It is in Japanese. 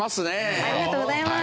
ありがとうございます。